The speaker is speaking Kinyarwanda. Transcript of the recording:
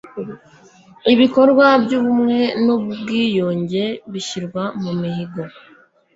ibikorwa by ubumwe n ubwiyunge bishyirwa mu mihigo